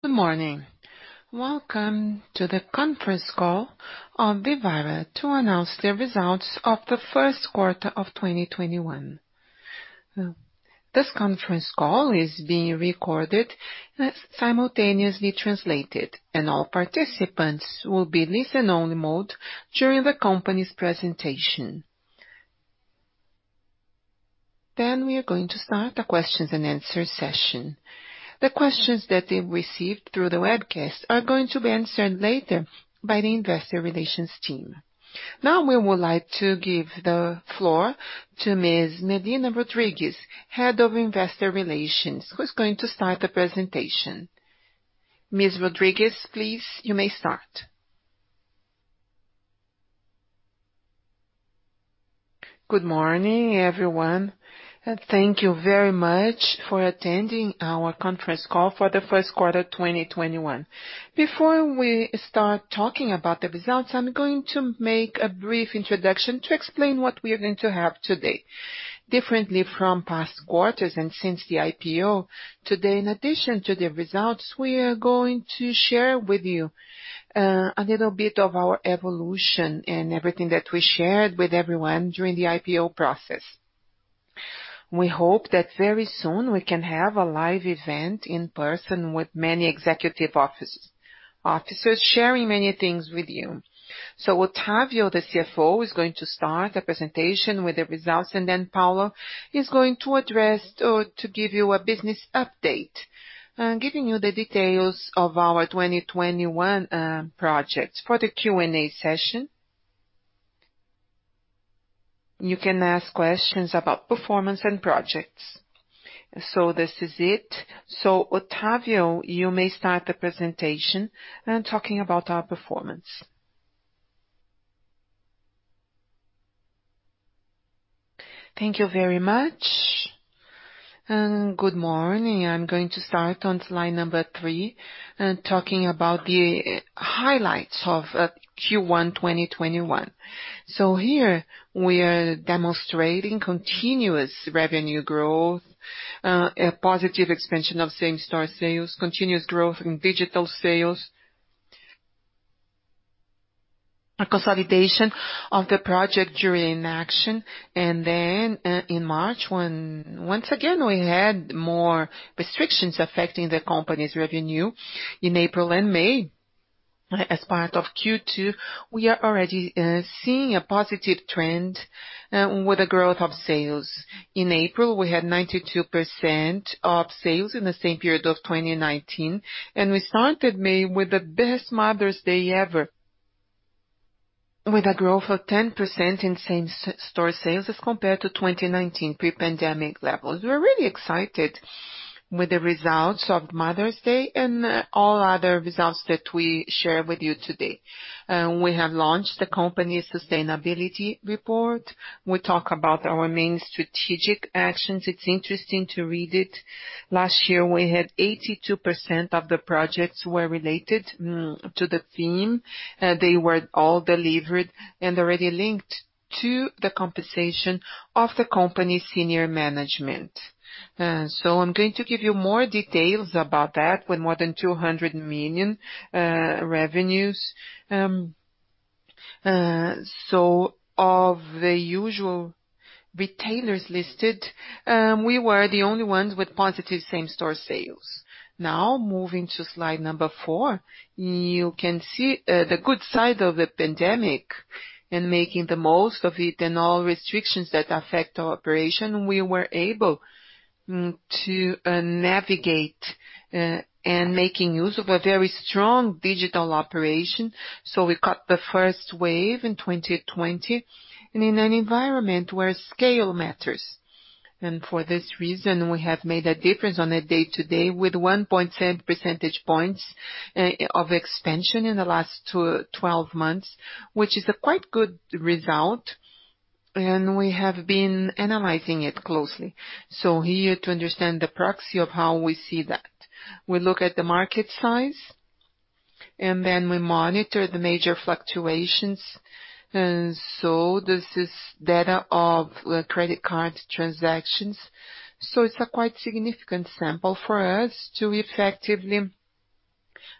Good morning. Welcome to the conference call of Vivara to announce the results of the first quarter of 2021. This conference call is being recorded and is simultaneously translated, all participants will be listen-only mode during the company's presentation. We are going to start a questions and answer session. The questions that they've received through the webcast are going to be answered later by the investor relations team. We would like to give the floor to Ms. Melina Rodrigues, Head of Investor Relations, who's going to start the presentation. Ms. Rodrigues, please, you may start. Good morning, everyone, and thank you very much for attending our conference call for the first quarter 2021. Before we start talking about the results, I'm going to make a brief introduction to explain what we are going to have today. Differently from past quarters and since the IPO, today, in addition to the results, we are going to share with you a little bit of our evolution and everything that we shared with everyone during the IPO process. We hope that very soon we can have a live event in person with many executive officers sharing many things with you. Otavio, the CFO, is going to start the presentation with the results, and then Paulo is going to give you a business update, giving you the details of our 2021 projects. For the Q&A session, you can ask questions about performance and projects. This is it. Otavio, you may start the presentation talking about our performance. Thank you very much. Good morning. I'm going to start on slide number three, talking about the highlights of Q1 2021. Here we are demonstrating continuous revenue growth, a positive expansion of same-store sales, continuous growth in digital sales, a consolidation of the project during action. In March, once again, we had more restrictions affecting the company's revenue. In April and May, as part of Q2, we are already seeing a positive trend with the growth of sales. In April, we had 92% of sales in the same period of 2019. We started May with the best Mother's Day ever, with a growth of 10% in same-store sales as compared to 2019 pre-pandemic levels. We're really excited with the results of Mother's Day and all other results that we share with you today. We have launched the company's sustainability report. We talk about our main strategic actions. It's interesting to read it. Last year, we had 82% of the projects were related to the theme. They were all delivered and already linked to the compensation of the company's senior management. I'm going to give you more details about that with more than 200 million revenues. Of the usual retailers listed, we were the only ones with positive same-store sales. Moving to slide number four, you can see the good side of the pandemic and making the most of it and all restrictions that affect our operation. We were able to navigate and making use of a very strong digital operation. We caught the first wave in 2020 and in an environment where scale matters. For this reason, we have made a difference on a day-to-day with 1.7 percentage points of expansion in the last 12 months, which is a quite good result, and we have been analyzing it closely. Here to understand the proxy of how we see that. We look at the market size, and then we monitor the major fluctuations. This is data of credit card transactions. It's a quite significant sample for us to effectively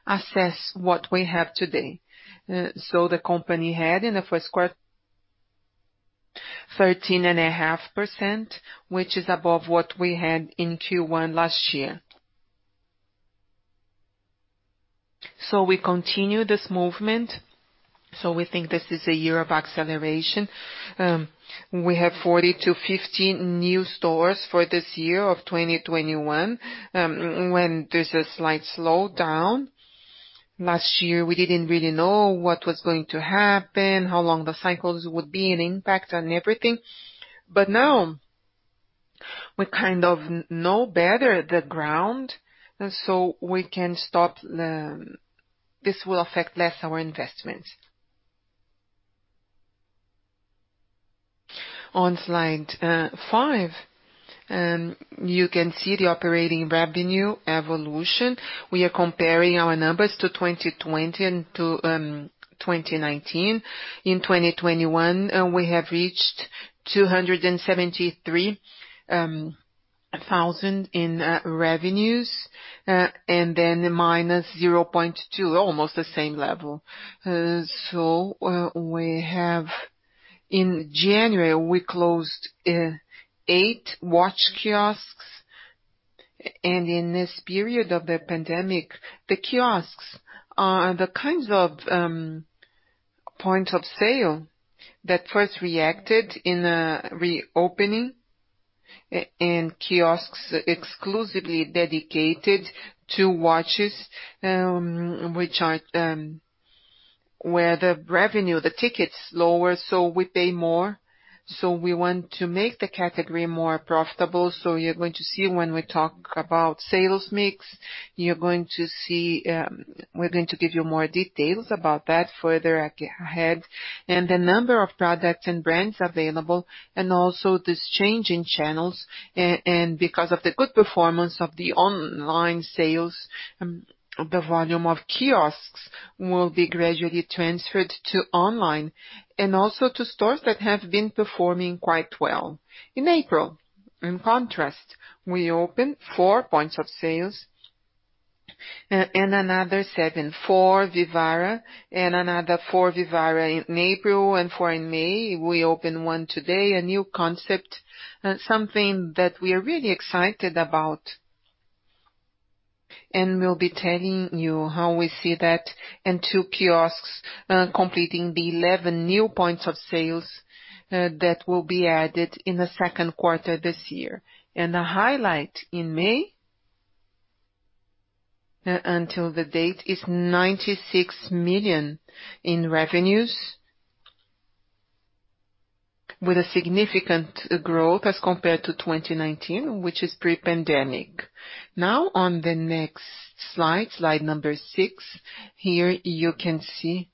assess what we have today. The company had in the first quarter 13.5%, which is above what we had in Q1 2020. We continue this movement. We think this is a year of acceleration. We have 40 to 50 new stores for this year of 2021, when there's a slight slowdown. Last year, we didn't really know what was going to happen, how long the cycles would be, and impact on everything. Now we kind of know better the ground, so this will affect less our investments. On slide five, you can see the operating revenue evolution. We are comparing our numbers to 2020 and to 2019. In 2021, we have reached 273,000 in revenues, then minus 0.2, almost the same level. In January, we closed eight watch kiosks. In this period of the pandemic, the kiosks are the kinds of point of sale that first reacted in reopening in kiosks exclusively dedicated to watches, where the revenue, the ticket's lower. We pay more. We want to make the category more profitable. You're going to see when we talk about sales mix, we're going to give you more details about that further ahead, the number of products and brands available, and also this change in channels. Because of the good performance of the online sales, the volume of kiosks will be gradually transferred to online, and also to stores that have been performing quite well. In April, in contrast, we opened four points of sales and another seven for Vivara, and another for Vivara in April and 4 in May. We opened one today, a new concept, something that we are really excited about. We'll be telling you how we see that. Two kiosks completing the 11 new points of sales that will be added in the second quarter this year. The highlight in May until the date is 96 million in revenues with a significant growth as compared to 2019, which is pre-pandemic. On the next slide number six, here you can see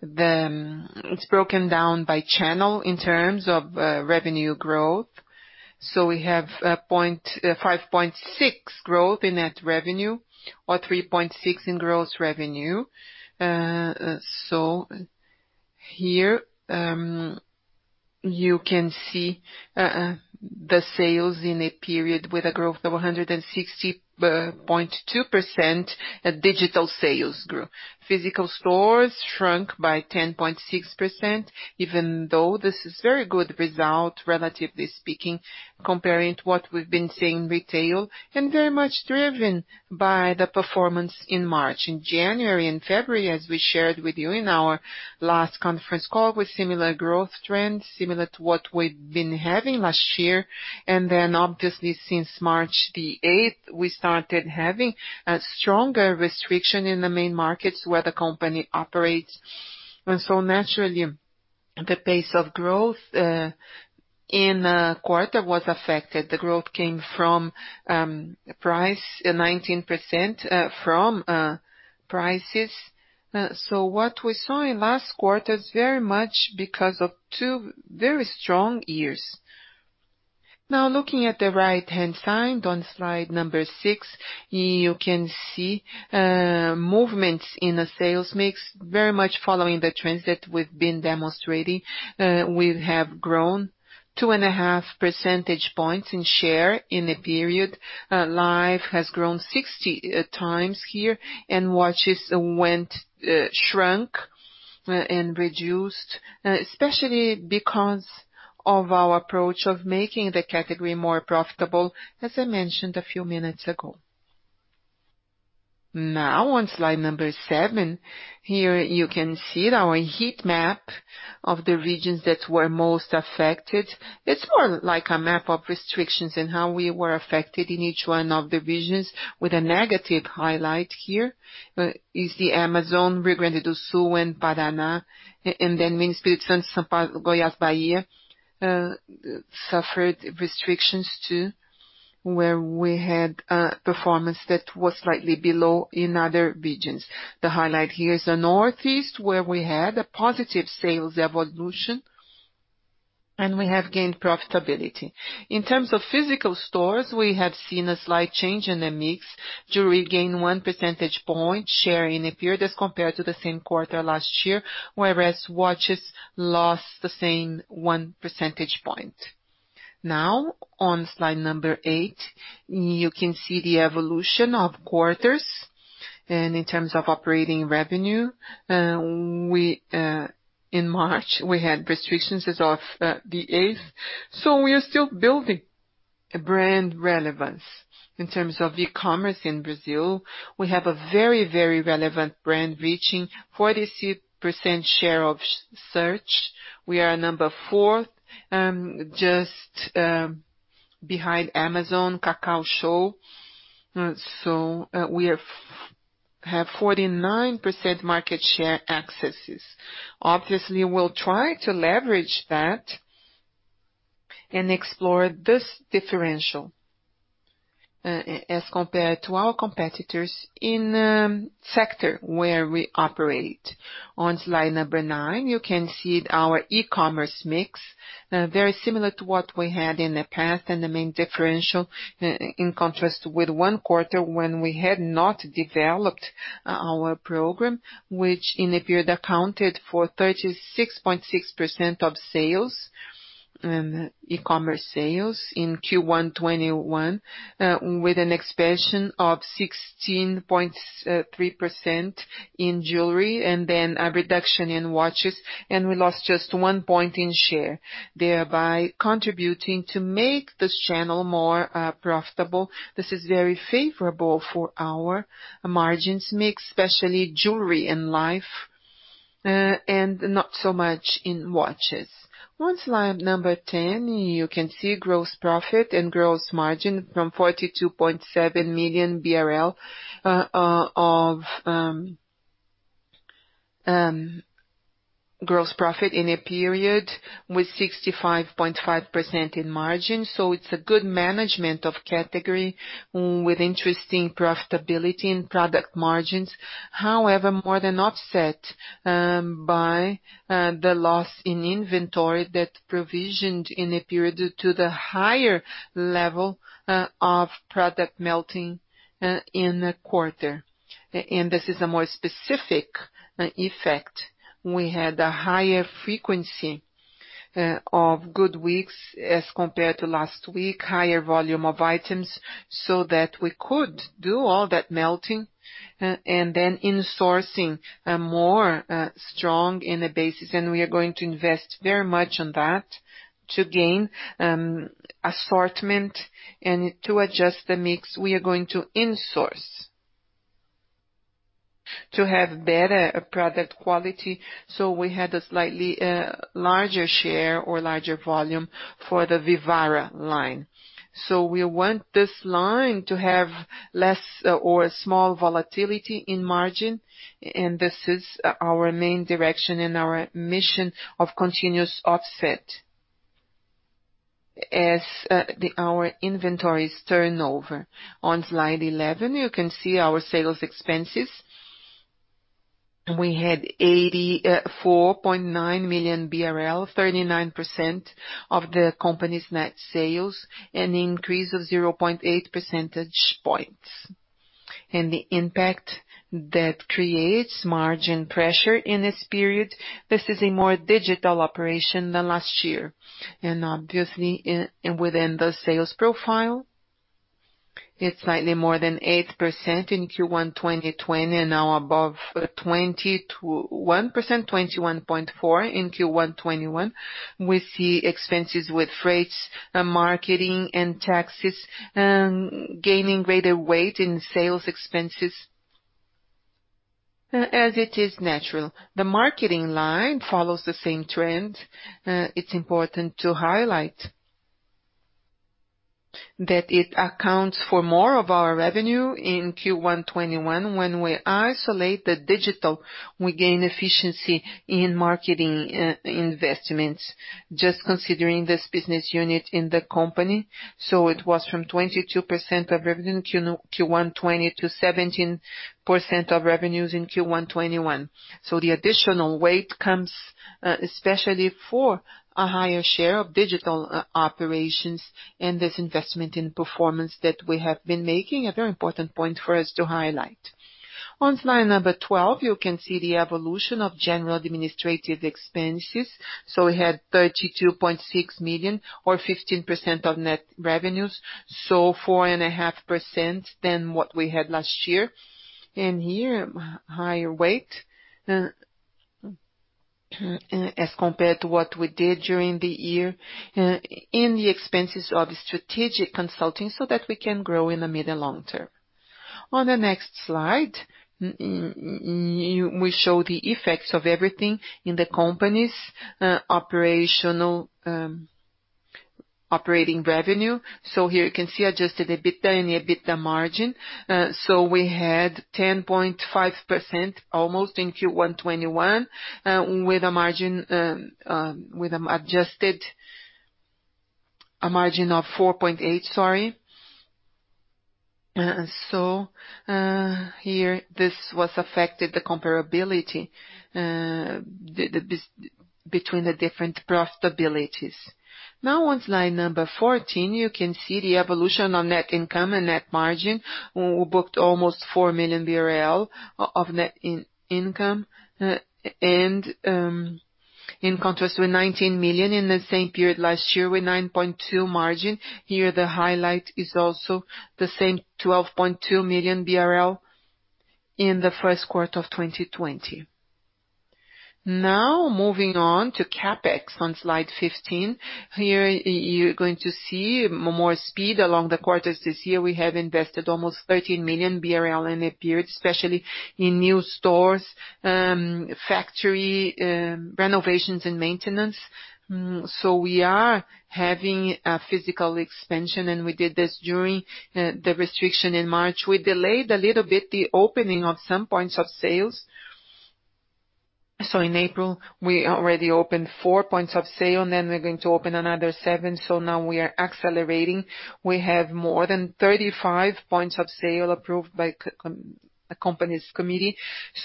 it's broken down by channel in terms of revenue growth. We have 5.6% growth in net revenue or 3.6% in gross revenue. Here, you can see the sales in a period with a growth of 160.2% digital sales growth. Physical stores shrunk by 10.6%, even though this is very good result, relatively speaking, comparing to what we've been seeing retail and very much driven by the performance in March. In January and February, as we shared with you in our last conference call, with similar growth trends, similar to what we've been having last year. Obviously since March the 8th, we started having a stronger restriction in the main markets where the company operates. Naturally, the pace of growth in the quarter was affected. The growth came from price, 19% from prices. What we saw in last quarter is very much because of two very strong years. Now looking at the right-hand side on slide number six, you can see movements in the sales mix, very much following the trends that we've been demonstrating. We have grown 2.5 percentage points in share in the period. Life has grown 60x here, watches shrunk and reduced, especially because of our approach of making the category more profitable, as I mentioned a few minutes ago. On slide number seven, here you can see our heat map of the regions that were most affected. It's more like a map of restrictions and how we were affected in each one of the regions with a negative highlight here, is the Amazonas, Rio Grande do Sul, and Paraná, Minas Gerais, Goiás, Bahia suffered restrictions too, where we had a performance that was slightly below in other regions. The highlight here is the Northeast, where we had a positive sales evolution, and we have gained profitability. In terms of physical stores, we have seen a slight change in the mix. Jewelry gained 1 percentage point share in the period as compared to the same quarter last year, whereas watches lost the same 1 percentage point. On slide number eight, you can see the evolution of quarters. In terms of operating revenue, in March, we had restrictions as of the 8th. We are still building brand relevance. In terms of e-commerce in Brazil, we have a very relevant brand reaching 43% share of search. We are number four, just behind Amazon, Cacau Show. We have 49% market share accesses. Obviously, we'll try to leverage that and explore this differential as compared to our competitors in the sector where we operate. On slide number nine, you can see our e-commerce mix, very similar to what we had in the past and the main differential in contrast with one quarter when we had not developed our program, which in the period accounted for 36.6% of sales. E-commerce sales in Q1 2021, with an expansion of 16.3% in jewelry and then a reduction in watches, and we lost just one point in share, thereby contributing to make this channel more profitable. This is very favorable for our margins mix, especially jewelry and Life, and not so much in watches. On slide number 10, you can see gross profit and gross margin from 42.7 million BRL of gross profit in a period with 65.5% in margin. It's a good management of category with interesting profitability in product margins. More than offset by the loss in inventory that provisioned in a period due to the higher level of product melting in a quarter. This is a more specific effect. We had a higher frequency of Gold Week as compared to Silver Week, higher volume of items, so that we could do all that melting and then insourcing more strong in the basis. We are going to invest very much on that to gain assortment and to adjust the mix we are going to insource. To have better product quality. We had a slightly larger share or larger volume for the Vivara line. We want this line to have less or a small volatility in margin, and this is our main direction and our mission of continuous offset as our inventory is turned over. On slide 11, you can see our sales expenses. We had 84.9 million BRL, 39% of the company's net sales, an increase of 0.8 percentage points. The impact that creates margin pressure in this period, this is a more digital operation than last year. Obviously within the sales profile, it's slightly more than 8% in Q1 2020 and now above 21.4% in Q1 2021. We see expenses with rates and marketing and taxes, gaining greater weight in sales expenses as it is natural. The marketing line follows the same trend. It's important to highlight that it accounts for more of our revenue in Q1 2021. When we isolate the digital, we gain efficiency in marketing investments, just considering this business unit in the company. It was from 22% of revenue in Q1 2020 to 17% of revenues in Q1 2021. The additional weight comes especially for a higher share of digital operations and this investment in performance that we have been making. A very important point for us to highlight. On slide number 12, you can see the evolution of general administrative expenses. We had 32.6 million or 15% of net revenues, 4.5% than what we had last year. Here, higher rate as compared to what we did during the year in the expenses of strategic consulting so that we can grow in the middle long term. On the next slide, we show the effects of everything in the company's operating revenue. Here you can see adjusted EBITDA and EBITDA margin. We had 10.5% almost in Q1 2021, with a margin of 4.8%. Here this was affected the comparability between the different profitabilities. On slide number 14, you can see the evolution of net income and net margin. We booked almost 4 million BRL of net income and in contrast with 19 million in the same period last year with 9.2% margin. Here the highlight is also the same 12.2 million BRL in the first quarter of 2020. Moving on to CapEx on slide 15. Here, you're going to see more speed along the quarters this year. We have invested almost 30 million BRL in the period, especially in new stores, factory renovations, and maintenance. We are having a physical expansion, and we did this during the restriction in March. We delayed a little bit the opening of some points of sales. In April, we already opened four points of sale, and then we're going to open another seven, now we are accelerating. We have more than 35 points of sale approved by company's committee.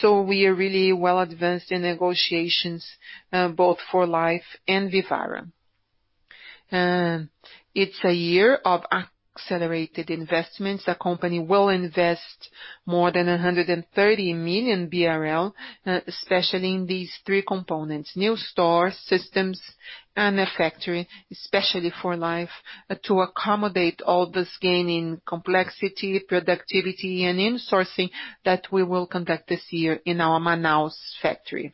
We are really well advanced in negotiations both for Life and Vivara. It's a year of accelerated investments. The company will invest more than 130 million BRL, especially in these three components, new stores, systems, and a factory, especially for Life, to accommodate all this gain in complexity, productivity, and insourcing that we will conduct this year in our Manaus factory.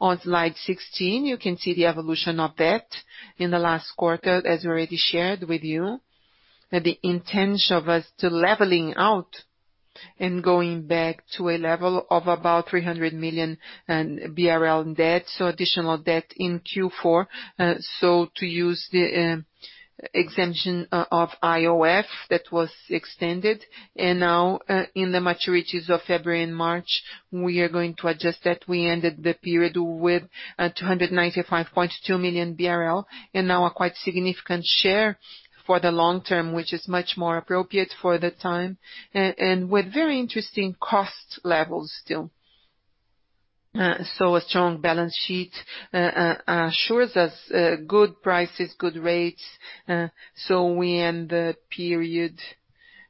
On slide 16, you can see the evolution of debt in the last quarter, as already shared with you, that the intention of us to leveling out and going back to a level of about 300 million BRL in debt. Additional debt in Q4. To use the exemption of IOF that was extended and now in the maturities of February and March, we are going to adjust that. We ended the period with 295.2 million BRL and now a quite significant share for the long term, which is much more appropriate for the time and with very interesting cost levels still. A strong balance sheet assures us good prices, good rates. We end the period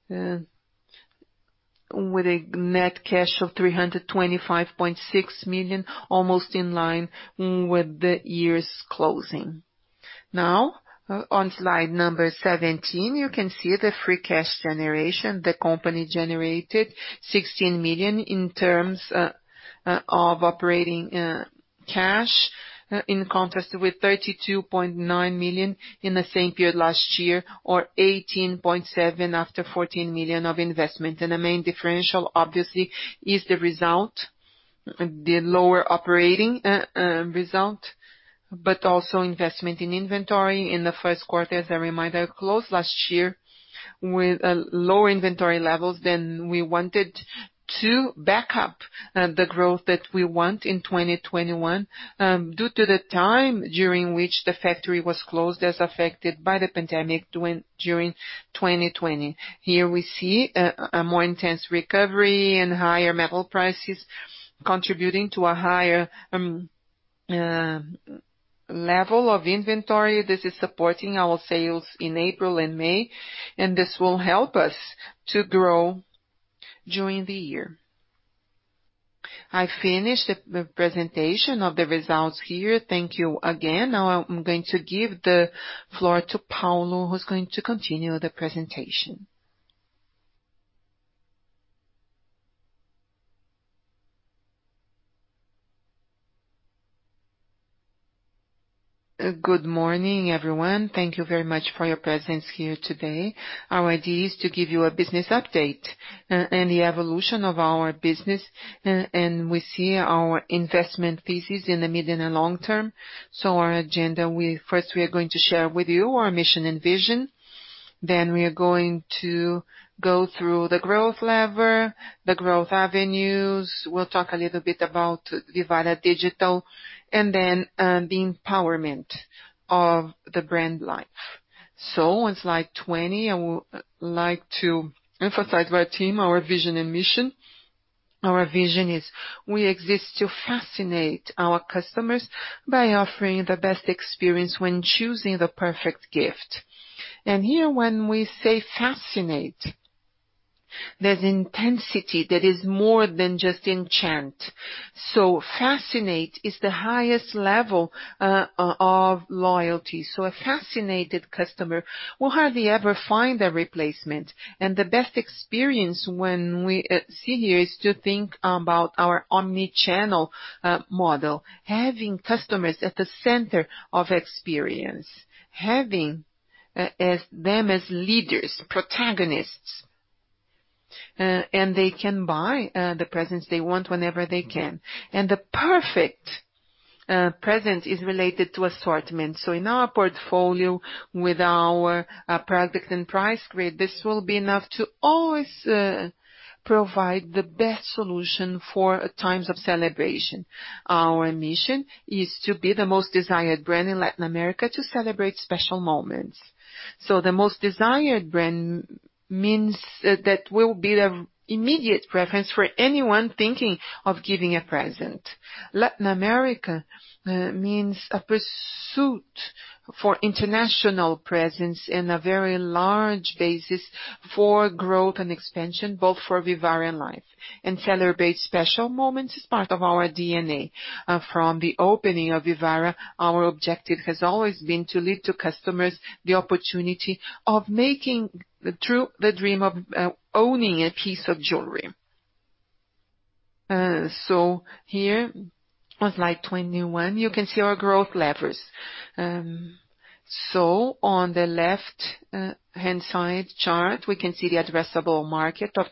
with a net cash of 325.6 million, almost in line with the year's closing. Now, on slide number 17, you can see the free cash generation. The company generated 16 million in terms of operating cash in contrast with 32.9 million in the same period last year or 18.7 million after 14 million of investment. The main differential obviously is the result, the lower operating result, but also investment in inventory in the first quarter that remained close last year with lower inventory levels than we wanted to back up the growth that we want in 2021 due to the time during which the factory was closed as affected by the pandemic during 2020. Here we see a more intense recovery and higher metal prices contributing to a higher level of inventory. This is supporting our sales in April and May. This will help us to grow during the year. I finish the presentation of the results here. Thank you again. Now I'm going to give the floor to Paulo, who's going to continue the presentation. Good morning, everyone. Thank you very much for your presence here today. Our idea is to give you a business update and the evolution of our business, and we see our investment thesis in the medium and long term. Our agenda, first, we are going to share with you our mission and vision. We are going to go through the growth lever, the growth avenues. We'll talk a little bit about Vivara Digital and then the empowerment of the brand Life. On slide 20, I would like to emphasize our team, our vision, and mission. Our vision is we exist to fascinate our customers by offering the best experience when choosing the perfect gift. Here when we say fascinate, there's intensity that is more than just enchant. Fascinate is the highest level of loyalty. A fascinated customer will hardly ever find a replacement. The best experience when we see here is to think about our omni-channel model, having customers at the center of experience, having them as leaders, protagonists. They can buy the presents they want whenever they can. The perfect present is related to assortment. In our portfolio with our product and price grid, this will be enough to always provide the best solution for times of celebration. Our mission is to be the most desired brand in Latin America to celebrate special moments. The most desired brand means that we'll be the immediate preference for anyone thinking of giving a present. Latin America means a pursuit for international presence and a very large basis for growth and expansion, both for Vivara and Life. Celebrate special moments is part of our DNA. From the opening of Vivara, our objective has always been to lead to customers the opportunity of making true the dream of owning a piece of jewelry. Here on slide 21, you can see our growth levers. On the left-hand side chart, we can see the addressable market of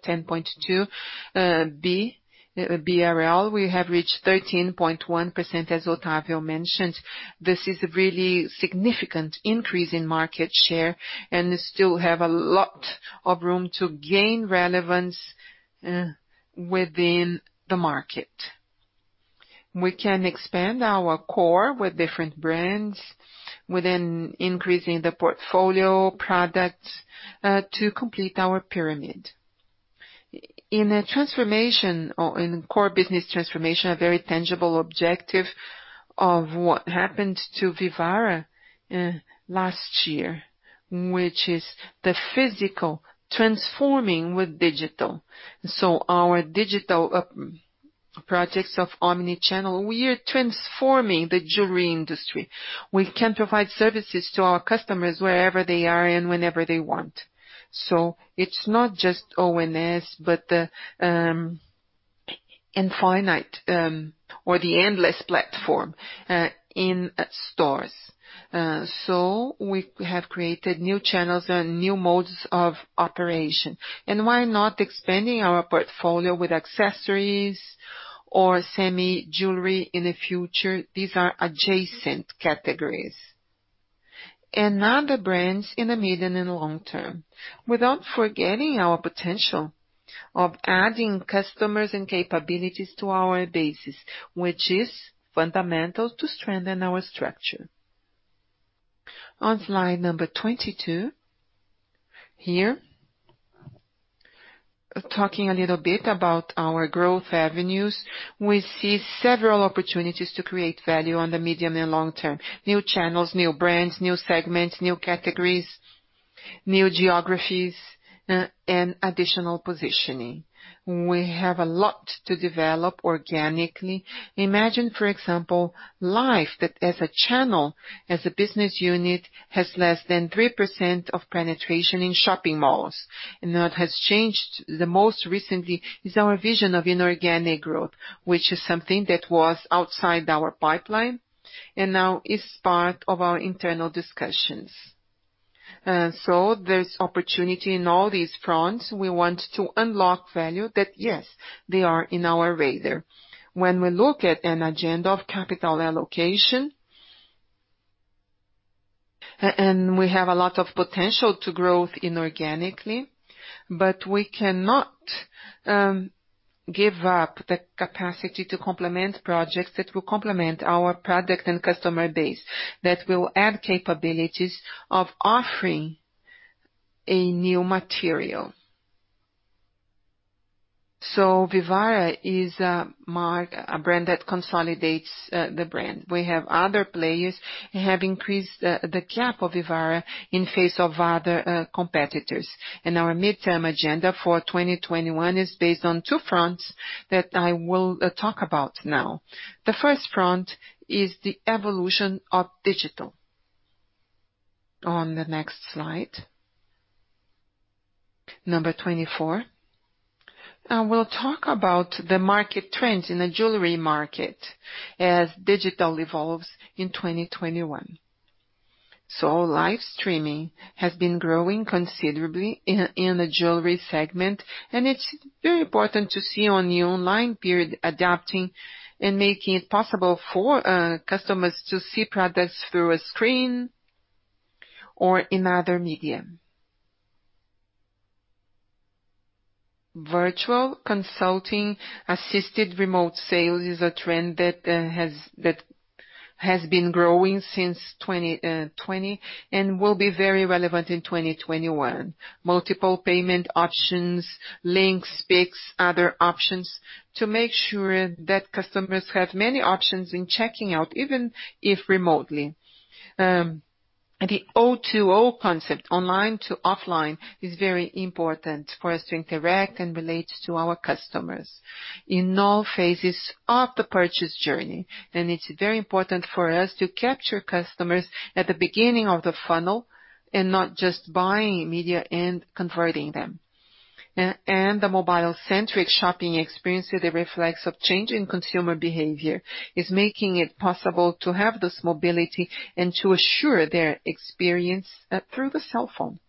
BRL 10.2. We have reached 13.1% as Otavio mentioned. This is a really significant increase in market share, and we still have a lot of room to gain relevance within the market. We can expand our core with different brands within increasing the portfolio products to complete our pyramid. In a core business transformation, a very tangible objective of what happened to Vivara last year, which is the physical transforming with digital. Our digital projects of omni-channel, we are transforming the jewelry industry. We can provide services to our customers wherever they are and whenever they want. It's not just OMS, but the endless aisle in stores. We have created new channels and new modes of operation. Why not expanding our portfolio with accessories or semi-jewelry in the future? These are adjacent categories. Now the brands in the medium and long term, without forgetting our potential of adding customers and capabilities to our bases, which is fundamental to strengthen our structure. On slide number 22, here, talking a little bit about our growth avenues. We see several opportunities to create value on the medium and long term. New channels, new brands, new segments, new categories, new geographies, and additional positioning. We have a lot to develop organically. Imagine, for example, Life that as a channel, as a business unit, has less than 3% of penetration in shopping malls, and that has changed the most recently, is our vision of inorganic growth, which is something that was outside our pipeline and now is part of our internal discussions. There's opportunity in all these fronts. We want to unlock value that, yes, they are in our radar. When we look at an agenda of capital allocation, and we have a lot of potential to growth inorganically, but we cannot give up the capacity to complement projects that will complement our product and customer base, that will add capabilities of offering a new material. Vivara is a brand that consolidates the brand. We have other players and have increased the gap of Vivara in face of other competitors. Our midterm agenda for 2021 is based on two fronts that I will talk about now. The first front is the evolution of digital. On the next slide, number 24. Now we'll talk about the market trends in the jewelry market as digital evolves in 2021. Live streaming has been growing considerably in the jewelry segment, and it's very important to see on the online period adapting and making it possible for customers to see products through a screen or in other medium. Virtual consulting, assisted remote sales is a trend that has been growing since 2020 and will be very relevant in 2021. Multiple payment options, Link, Pix, other options to make sure that customers have many options in checking out, even if remotely. The O2O concept, online to offline, is very important for us to interact and relate to our customers in all phases of the purchase journey. It's very important for us to capture customers at the beginning of the funnel and not just buying media and converting them. The mobile-centric shopping experience with the reflex of changing consumer behavior is making it possible to have this mobility and to assure their experience through the cell phone.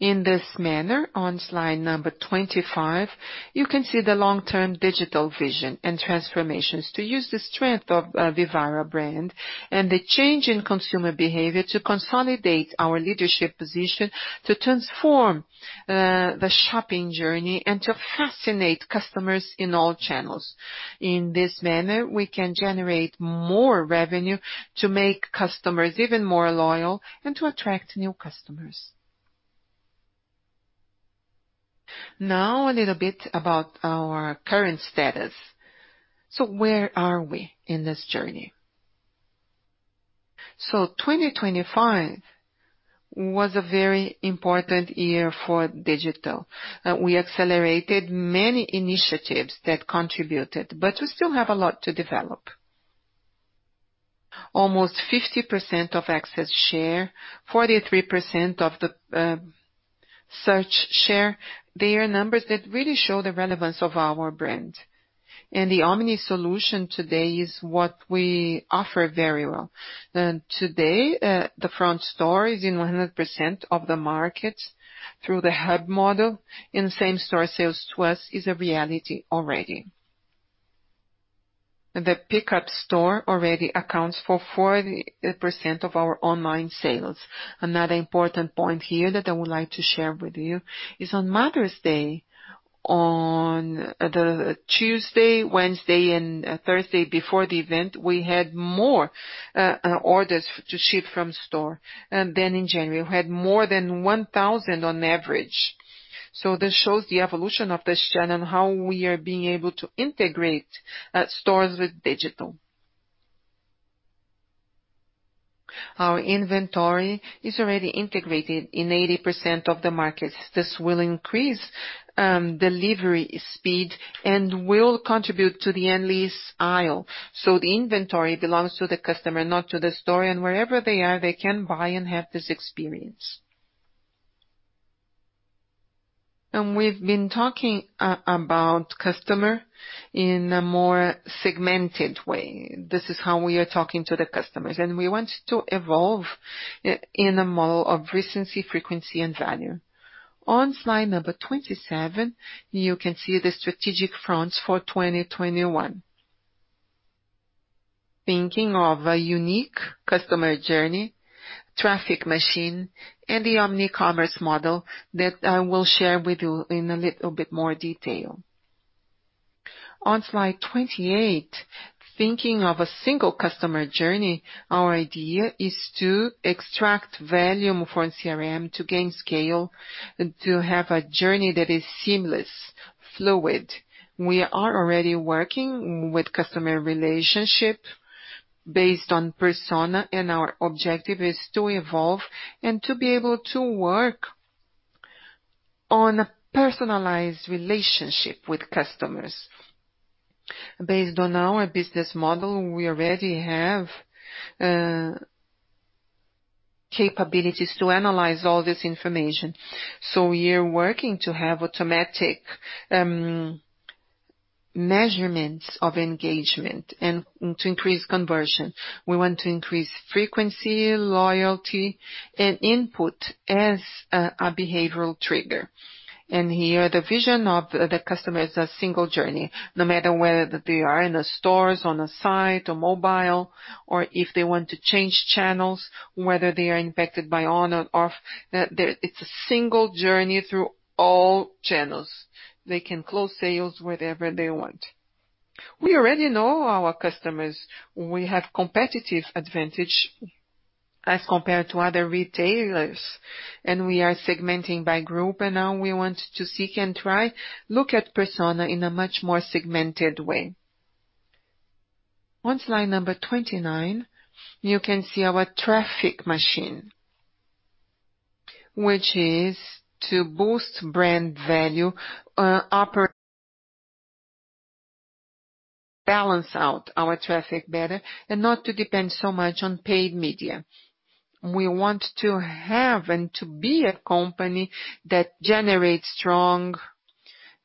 In this manner, on slide number 25, you can see the long-term digital vision and transformations to use the strength of Vivara brand and the change in consumer behavior to consolidate our leadership position, to transform the shopping journey, and to fascinate customers in all channels. In this manner, we can generate more revenue to make customers even more loyal and to attract new customers. Now a little bit about our current status. Where are we in this journey? 2025 was a very important year for digital. We accelerated many initiatives that contributed, but we still have a lot to develop. Almost 50% of access share, 43% of the search share, they are numbers that really show the relevance of our brand. The omni solution today is what we offer very well. Today, the front store is in 100% of the market through the hub model, and same-store sales to us is a reality already. The pickup store already accounts for 40% of our online sales. Another important point here that I would like to share with you is on Mother's Day, on the Tuesday, Wednesday, and Thursday before the event, we had more orders to ship from store than in January. We had more than 1,000 on average. This shows the evolution of this channel and how we are being able to integrate stores with digital. Our inventory is already integrated in 80% of the market. This will increase delivery speed and will contribute to the endless aisle. The inventory belongs to the customer, not to the store, and wherever they are, they can buy and have this experience. We've been talking about customer in a more segmented way. This is how we are talking to the customers, and we want to evolve in a model of recency, frequency, and value. On slide number 27, you can see the strategic fronts for 2021. Thinking of a unique customer journey, traffic machine, and the omni-commerce model that I will share with you in a little bit more detail. On slide 28, thinking of a single customer journey, our idea is to extract value from CRM to gain scale, to have a journey that is seamless, fluid. We are already working with customer relationship based on persona. Our objective is to evolve and to be able to work on a personalized relationship with customers. Based on our business model, we already have capabilities to analyze all this information. We are working to have automatic measurements of engagement and to increase conversion. We want to increase frequency, loyalty, and input as a behavioral trigger. Here, the vision of the customer as a single journey, no matter whether they are in a store, on a site, or mobile, or if they want to change channels, whether they are impacted by on and off, that it's a single journey through all channels. They can close sales wherever they want. We already know our customers. We have competitive advantage as compared to other retailers, and we are segmenting by group. Now we want to seek and try, look at persona in a much more segmented way. On slide number 29, you can see our traffic machine, which is to boost brand value, balance out our traffic better, and not to depend so much on paid media. We want to have and to be a company that generates strong,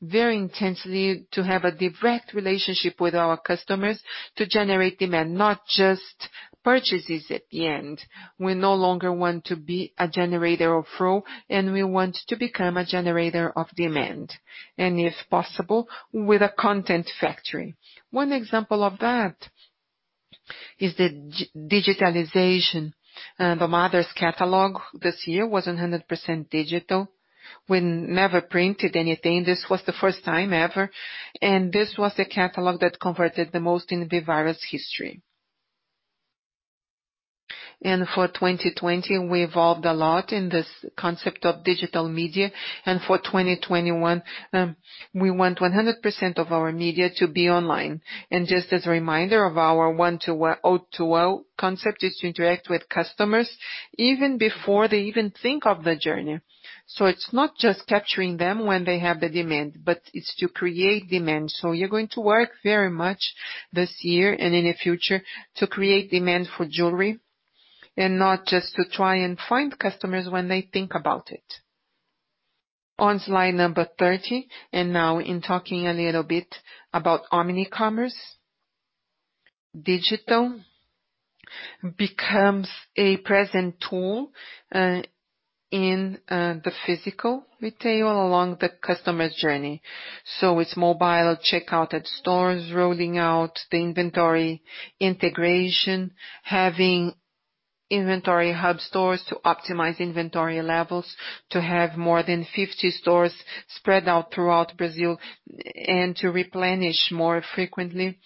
very intensely, to have a direct relationship with our customers to generate demand, not just purchases at the end. We no longer want to be a generator of flow, we want to become a generator of demand, if possible, with a content factory. One example of that is the digitalization. The Mother's catalog this year was 100% digital. We never printed anything. This was the first time ever, and this was the catalog that converted the most in Vivara's history. For 2020, we evolved a lot in this concept of digital media. For 2021, we want 100% of our media to be online. Just as a reminder of our O2O concept is to interact with customers even before they even think of the journey. It's not just capturing them when they have the demand, but it's to create demand. We're going to work very much this year and in the future to create demand for jewelry and not just to try and find customers when they think about it. On slide number 30, and now in talking a little bit about omni-commerce. Digital becomes a present tool in the physical retail along the customer's journey. It's mobile checkout at stores, rolling out the inventory integration, having inventory hub stores to optimize inventory levels, to have more than 50 stores spread out throughout Brazil, and to replenish more frequently,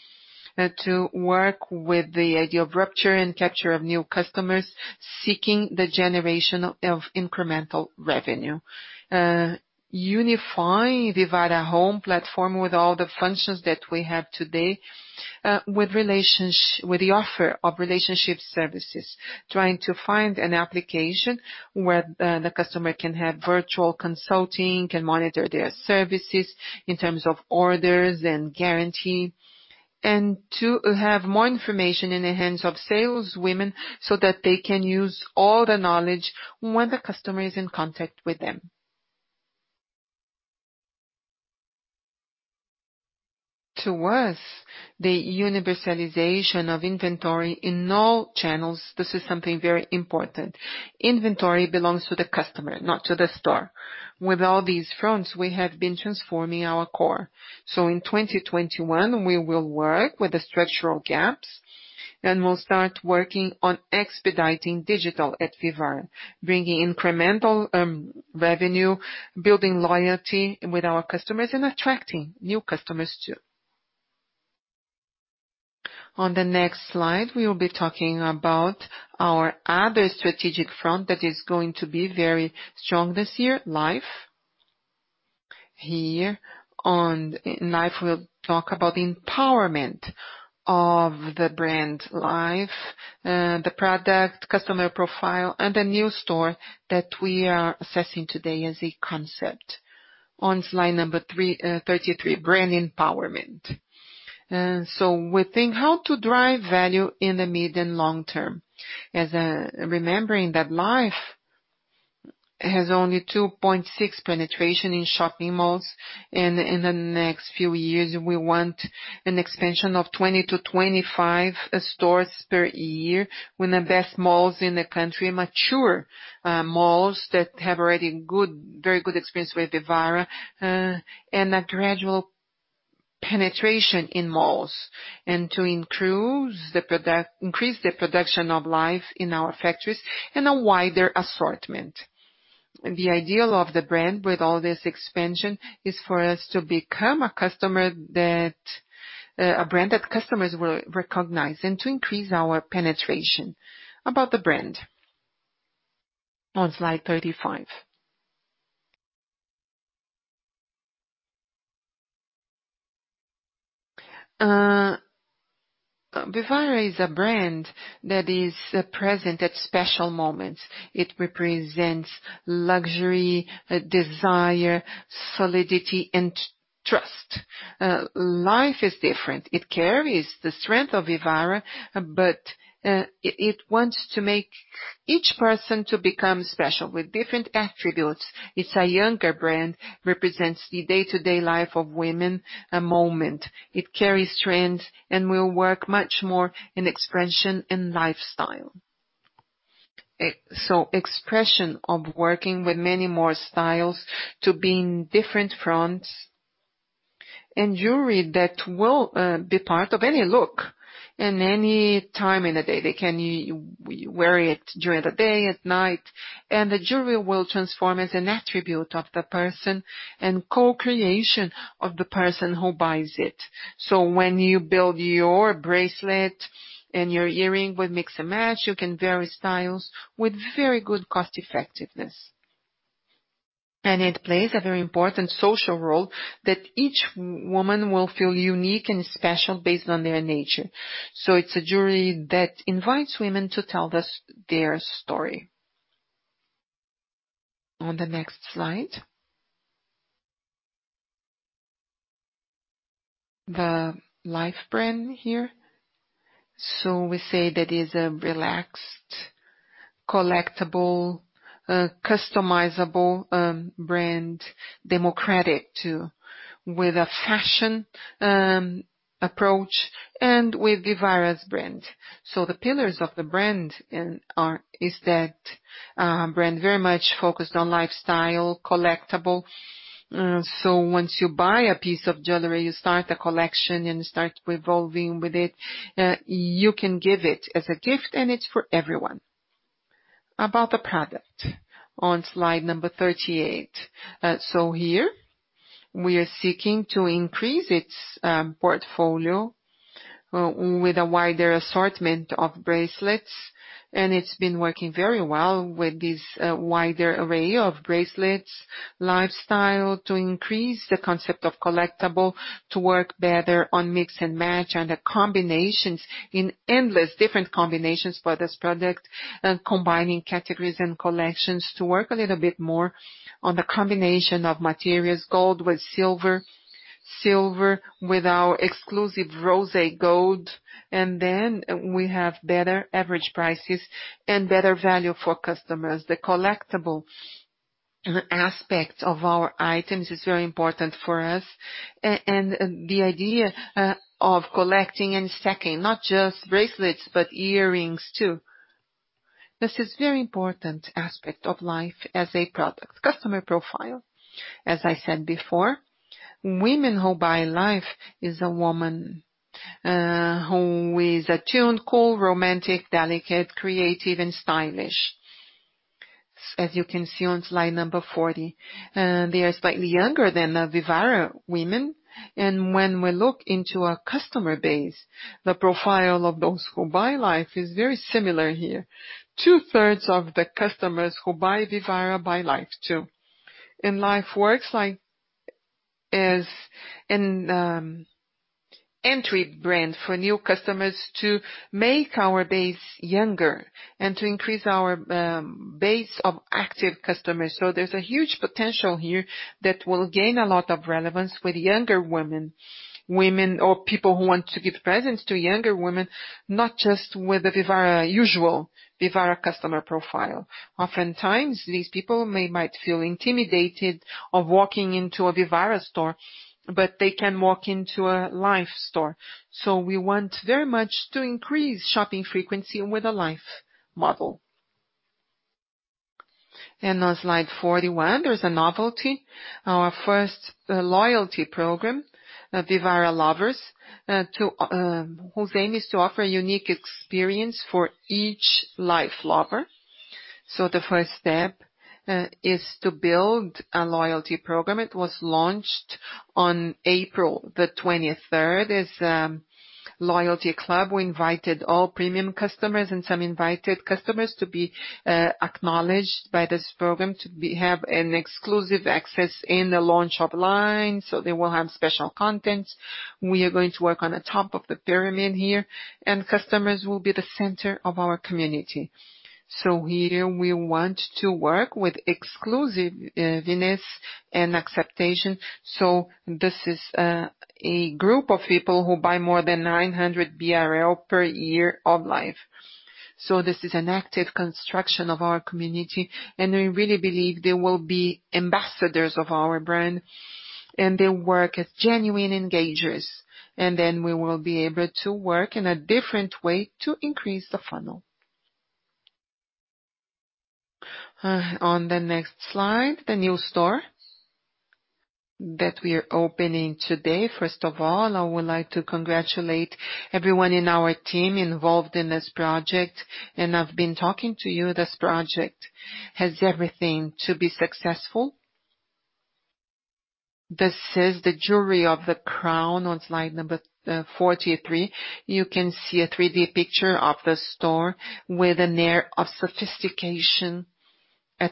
to work with the idea of rupture and capture of new customers, seeking the generation of incremental revenue. Unify Vivara home platform with all the functions that we have today with the offer of relationship services, trying to find an application where the customer can have virtual consulting, can monitor their services in terms of orders and guarantee, and to have more information in the hands of saleswomen so that they can use all the knowledge when the customer is in contact with them. To us, the universalization of inventory in all channels, this is something very important. Inventory belongs to the customer, not to the store. In 2021, we will work with the structural gaps, and we'll start working on expediting digital at Vivara, bringing incremental revenue, building loyalty with our customers, and attracting new customers too. On the next slide, we will be talking about our other strategic front that is going to be very strong this year, Life. Here on Life, we'll talk about empowerment of the brand Life, the product, customer profile, and the new store that we are assessing today as a concept. On slide number 33, brand empowerment. We think how to drive value in the medium long term, as remembering that Life has only 2.6 penetration in shopping malls, and in the next few years, we want an expansion of 20-25 stores per year when the best malls in the country mature. Malls that have already very good experience with Vivara and a gradual penetration in malls. To increase the production of Life in our factories and a wider assortment. The ideal of the brand with all this expansion is for us to become a brand that customers will recognize and to increase our penetration. About the brand on slide 35. Vivara is a brand that is present at special moments. It represents luxury, desire, solidity, and trust. Life is different. It carries the strength of Vivara, but it wants to make each person to become special with different attributes. It's a younger brand, represents the day-to-day life of women, a moment. It carries trends and will work much more in expression and lifestyle. Expression of working with many more styles to be in different fronts and jewelry that will be part of any look in any time in the day. They can wear it during the day, at night, and the jewelry will transform as an attribute of the person and co-creation of the person who buys it. When you build your bracelet and your earring with mix and match, you can vary styles with very good cost-effectiveness. It plays a very important social role that each woman will feel unique and special based on their nature. It's a jewelry that invites women to tell us their story. On the next slide. The Life brand here. We say that is a relaxed, collectible, customizable brand, democratic too, with a fashion approach and with Vivara's brand. The pillars of the brand is that brand very much focused on lifestyle, collectible. Once you buy a piece of jewelry, you start a collection and start evolving with it. You can give it as a gift, it's for everyone. About the product on slide number 38. Here we are seeking to increase its portfolio with a wider assortment of bracelets, it's been working very well with this wider array of bracelets. Lifestyle, to increase the concept of collectible, to work better on mix and match, the combinations in endless different combinations for this product, combining categories and collections to work a little bit more on the combination of materials, gold with silver with our exclusive rose gold. We have better average prices and better value for customers. The collectible aspect of our items is very important for us, and the idea of collecting and stacking, not just bracelets, but earrings too. This is very important aspect of Life as a product. Customer profile. As I said before, women who buy Life is a woman who is attuned, cool, romantic, delicate, creative, and stylish. As you can see on slide number 40. They are slightly younger than the Vivara women. When we look into our customer base, the profile of those who buy Life is very similar here. Two-thirds of the customers who buy Vivara buy Life too. Life works like as an entry brand for new customers to make our base younger and to increase our base of active customers. There's a huge potential here that will gain a lot of relevance with younger women, or people who want to give presents to younger women, not just with the usual Vivara customer profile. Oftentimes, these people, they might feel intimidated of walking into a Vivara store, but they can walk into a Life store. We want very much to increase shopping frequency with a Life model. In slide 41, there's a novelty. Our first loyalty program, Life Lovers, whose aim is to offer unique experience for each Life Lover. The first step is to build a loyalty program. It was launched on April 23rd. It's a loyalty club. We invited all premium customers and some invited customers to be acknowledged by this program to have an exclusive access in the launch of lines, so they will have special content. We are going to work on the top of the pyramid here. Customers will be the center of our community. Here we want to work with exclusiveness and expectation. This is a group of people who buy more than 900 BRL per year of Life. This is an active construction of our community. I really believe they will be ambassadors of our brand. They work as genuine engagers. We will be able to work in a different way to increase the funnel. On the next slide, the new store that we are opening today. First of all, I would like to congratulate everyone in our team involved in this project. I've been talking to you, this project has everything to be successful. This is the jewelry of the crown on slide number 43. You can see a 3D picture of the store with an air of sophistication. There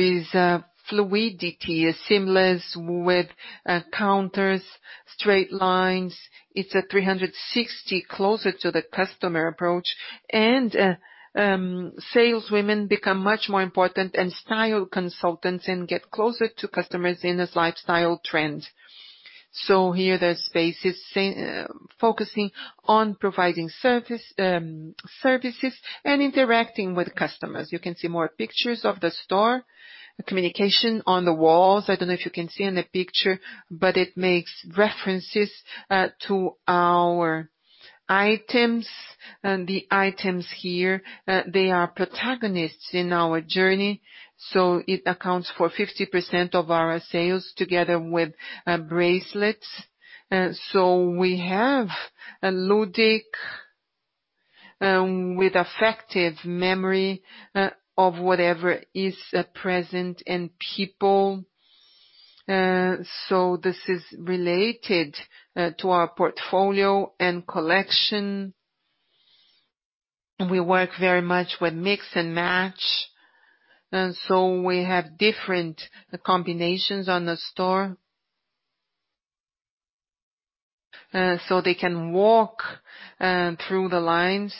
is a fluidity, a seamless with counters, straight lines. It's a 360 closer to the customer approach. Saleswomen become much more important and style consultants can get closer to customers in this lifestyle trend. Here the space is focusing on providing services and interacting with customers. You can see more pictures of the store. Communication on the walls. I don't know if you can see on the picture, but it makes references to our items and the items here, they are protagonists in our journey. It accounts for 50% of our sales together with bracelets. We have a ludic with affective memory of whatever is present and people. This is related to our portfolio and collection. We work very much with mix and match. We have different combinations on the store. They can walk through the lines.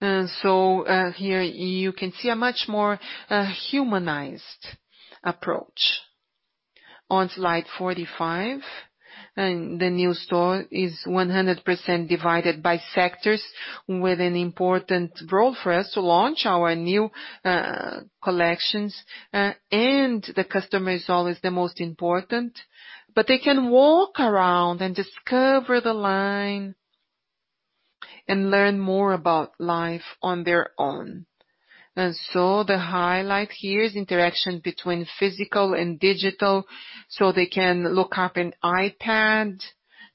Here you can see a much more humanized approach. On slide 45, the new store is 100% divided by sectors with an important role for us to launch our new collections, and the customer is always the most important. They can walk around and discover the line and learn more about Life on their own. The highlight here is interaction between physical and digital, so they can look up an iPad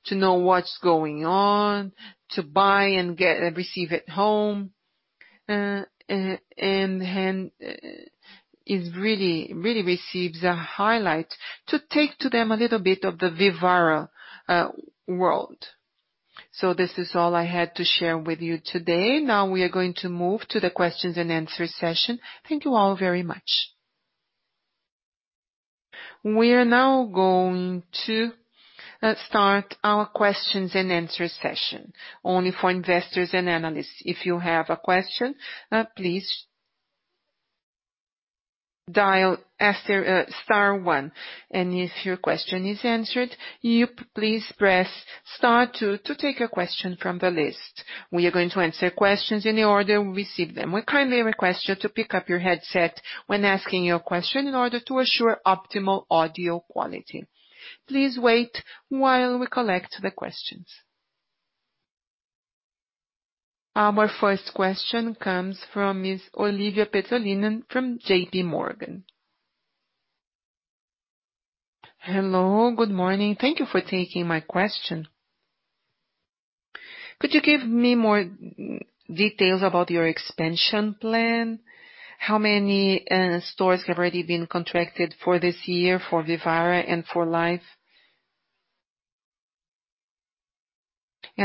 to know what's going on, to buy and receive at home. It really receives a highlight to take to them a little bit of the Vivara World. This is all I had to share with you today. We are going to move to the questions and answer session. Thank you all very much. We are now going to start our questions and answer session only for investors and analysts. If you have a question, please dial star one, and if your question is answered, please press star two to take a question from the list. We are going to answer questions in the order we receive them. We kindly request you to pick up your headset when asking your question in order to assure optimal audio quality. Please wait while we collect the questions. Our first question comes from Ms. Olivia Petzollinen from JPMorgan. Hello. Good morning. Thank you for taking my question. Could you give me more details about your expansion plan? How many stores have already been contracted for this year for Vivara and for Life?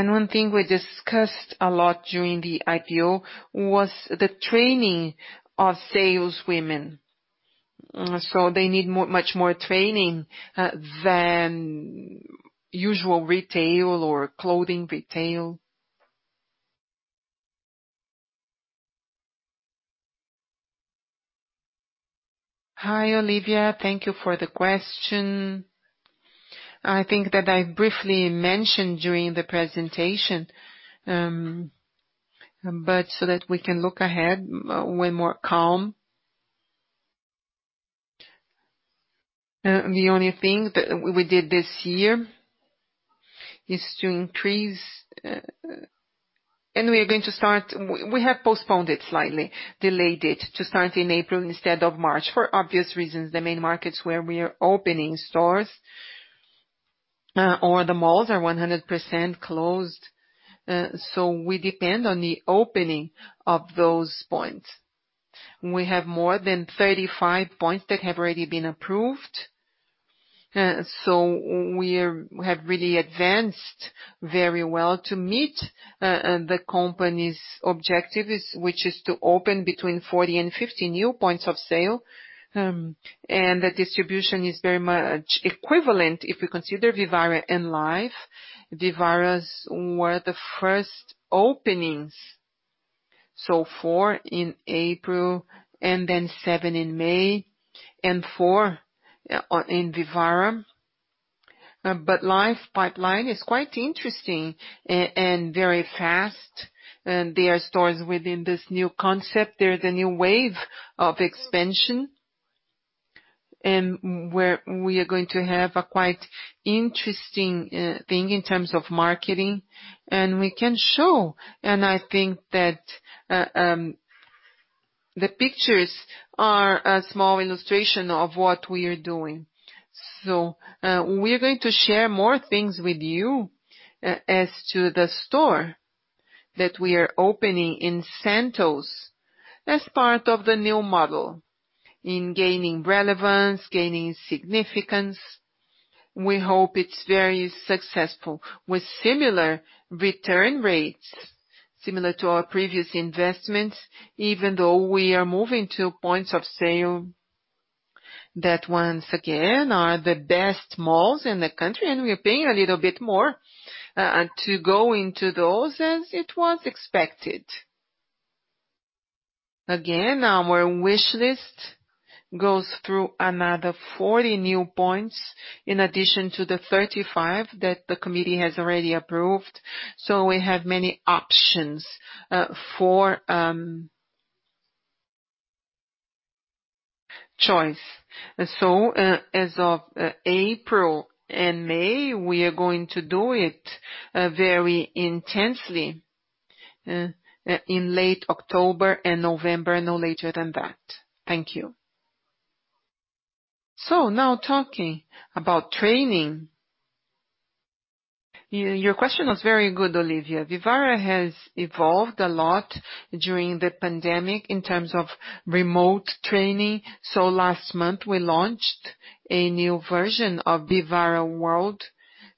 One thing we discussed a lot during the IPO was the training of saleswomen. They need much more training than usual retail or clothing retail. Hi, Olivia. Thank you for the question. I think that I briefly mentioned during the presentation, but so that we can look ahead when we're calm. We are going to start, we have postponed it slightly, delayed it to start in April instead of March for obvious reasons. The main markets where we are opening stores or the malls are 100% closed. We depend on the opening of those points. We have more than 35 points that have already been approved. We have really advanced very well to meet the company's objectives, which is to open between 40 and 50 new points of sale. The distribution is very much equivalent if you consider Vivara and Life. Vivara's were the first openings, so four in April and then seven in May and four in Vivara. Life pipeline is quite interesting and very fast. They are stores within this new concept. They are the new wave of expansion, and where we are going to have a quite interesting thing in terms of marketing, and we can show. I think that the pictures are a small illustration of what we are doing. We're going to share more things with you as to the store that we are opening in Santos as part of the new model. In gaining relevance, gaining significance, we hope it's very successful with similar return rates similar to our previous investments, even though we are moving to points of sale that once again are the best malls in the country and we are paying a little bit more to go into those as it was expected. Our wish list goes through another 40 new points in addition to the 35 that the committee has already approved. We have many options for choice. As of April and May, we are going to do it very intensely in late October and November, no later than that. Thank you. Now talking about training. Your question was very good, Olivia. Vivara has evolved a lot during the pandemic in terms of remote training. Last month we launched a new version of Vivara World.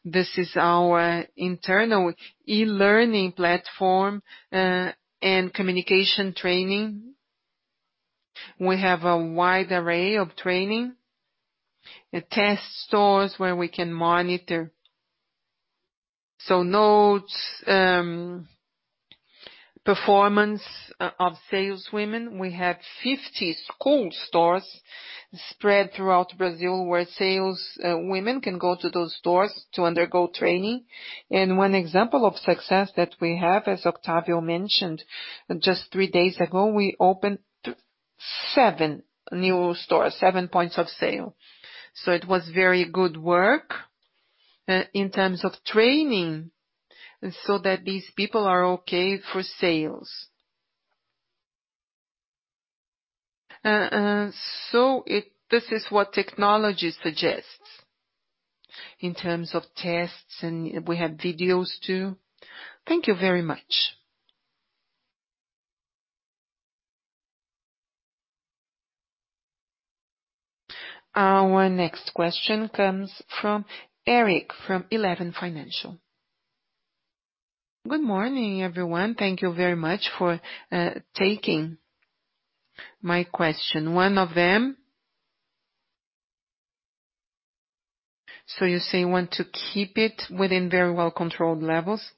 This is our internal e-learning platform and communication training. We have a wide array of training. Test stores where we can monitor. Notes, performance of saleswomen. We have 50 school stores spread throughout Brazil where saleswomen can go to those stores to undergo training. One example of success that we have, as Otavio mentioned, just three days ago, we opened seven new stores, seven points of sale. It was very good work in terms of training so that these people are okay for sales. This is what technology suggests in terms of tests, and we have videos too. Thank you very much. Our next question comes from Eric from Eleven Financial. Good morning, everyone. Thank you very much for taking my question. You say you want to keep it within very well-controlled levels.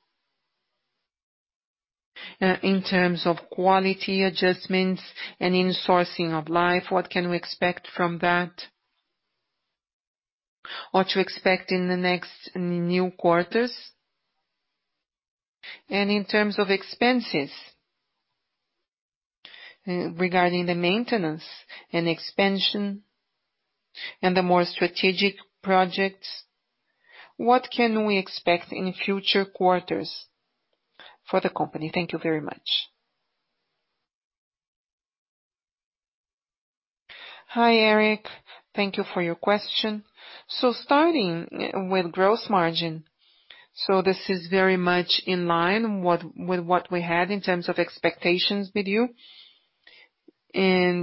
In terms of quality adjustments and in-sourcing of Life, what can we expect from that? What to expect in the next new quarters? In terms of expenses regarding the maintenance and expansion and the more strategic projects, what can we expect in future quarters for the company? Thank you very much. Hi, Eric. Thank you for your question. Starting with gross margin. This is very much in line with what we had in terms of expectations with you.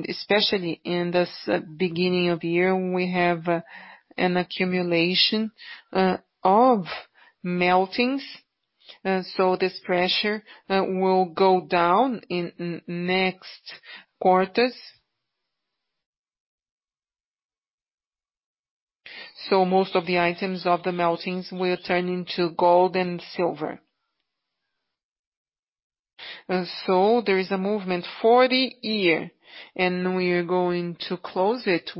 Especially in this beginning of the year, we have an accumulation of meltings. This pressure will go down in next quarters. Most of the items of the meltings will turn into gold and silver. There is a movement for the year. We are going to close it